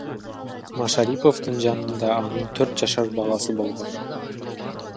Машариповдун жанында анын төрт жашар баласы болгон.